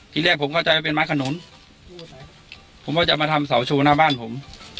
ทีแรกผมเข้าใจว่าเป็นไม้ขนุนผมว่าจะมาทำเสาโชว์หน้าบ้านผม